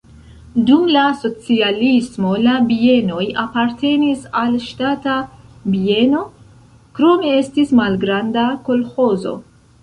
Dum la socialismo la bienoj apartenis al ŝtata bieno, krome estis malgranda kolĥozo.